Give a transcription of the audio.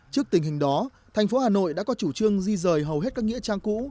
trước tình hình đó thành phố hà nội đã có chủ trương di rời hầu hết các nghĩa trang cũ